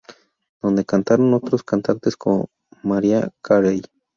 Donde cantaron otros cantantes como Mariah Carey.